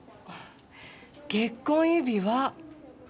結婚指輪。